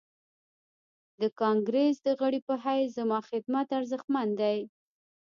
د کانګريس د غړي په حيث زما خدمت ارزښتمن دی.